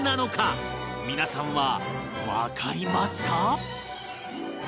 皆さんはわかりますか？